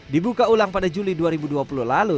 dibuka ulang pada juli dua ribu dua puluh lalu